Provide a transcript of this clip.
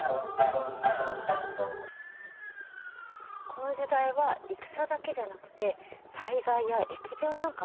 この時代は戦だけじゃなくて災害や疫病なんかもあったの。